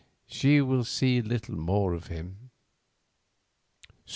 She will see little more of him.